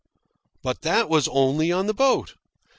But that was only on the boat.